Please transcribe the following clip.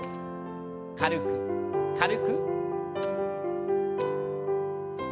軽く軽く。